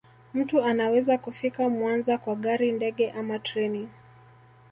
Mtu anaweza kufika Mwanza kwa gari ndege ama treni